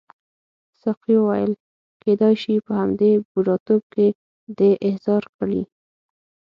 ساقي وویل کیدای شي په همدې بوډاتوب کې دې احضار کړي.